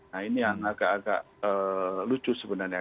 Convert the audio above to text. nah ini yang agak agak lucu sebenarnya